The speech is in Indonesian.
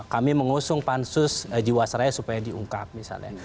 kami mengusung pansus jiwasraya supaya diungkap misalnya